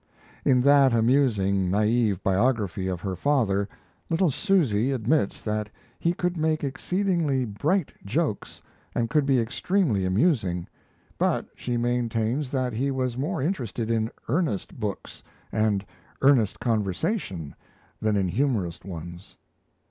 In that amusing, naive biography of her father, little Susy admits that he could make exceedingly bright jokes and could be extremely amusing; but she maintains that he was more interested in earnest books and earnest conversation than in humorous ones.